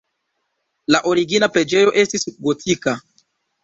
La origina preĝejo estis gotika.